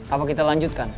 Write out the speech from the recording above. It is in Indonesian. apa kita lanjutkan